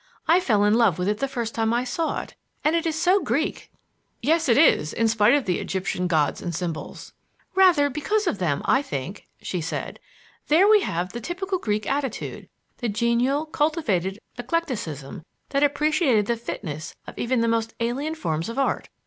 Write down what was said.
I fell in love with it the first time I saw it. And it is so Greek!" "Yes, it is, in spite of the Egyptian gods and symbols." "Rather because of them, I think," said she. "There we have the typical Greek attitude, the genial, cultivated eclecticism that appreciated the fitness of even the most alien forms of art.